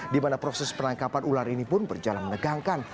dimana proses penangkapan ular ini pun berjalan menegangkan